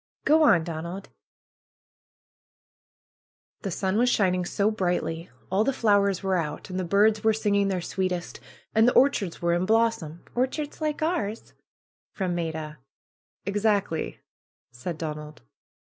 Go on, Donald P' ^^The sun was shining so brightly, all the flowers were out, and the birds were singing their sweetest. And the orchards were in blossom ^'Orchards like ours?" from Maida. '^Exactly!" said Donald.